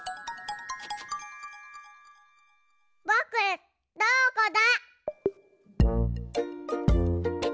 ぼくどこだ？